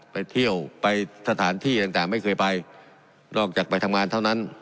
ไปเที่ยวไปสถานที่ต่างไม่เคยไปนอกจากไปทำงานเท่านั้น